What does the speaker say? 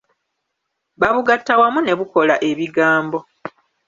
Babugatta wamu ne bukola ebigambo.